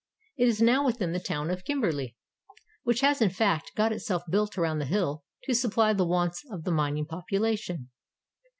It is now within the town of Kimberley, — which has in fact got itself built around the hill to supply the wants of the mining population.